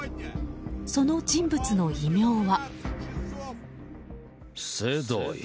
その人物の異名は。